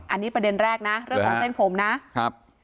อันนี้ประเด็นแรกนะเรื่องของเส้นผมนะครับ